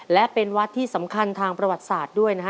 และเป็นวัดที่สำคัญทางประวัติศาสตร์ด้วยนะฮะ